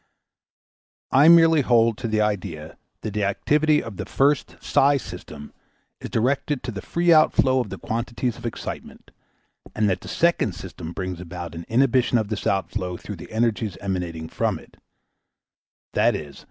I merely hold to the idea that the activity of the first [Greek: Psi] system is directed to the free outflow of the quantities of excitement, and that the second system brings about an inhibition of this outflow through the energies emanating from it, _i.e.